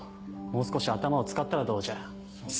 もう少し頭を使ったらどうじゃ。